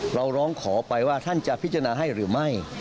ร้องขอไปว่าท่านจะพิจารณาให้หรือไม่